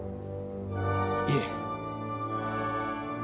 いえ。